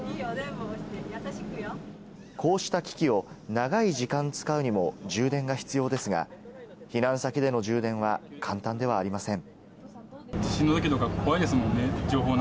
こうした機器を長い時間使うにも充電が必要ですが、避難先での充電は簡単ではありません。